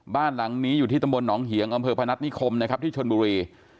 บ้านหลังนี้อยู่ที่ตำบลหนองเหียงอำเภอพนัฐนิคมนะครับที่ชนบุรี